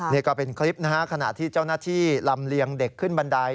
นี่ก็เป็นคลิปนะฮะขณะที่เจ้าหน้าที่ลำเลียงเด็กขึ้นบันได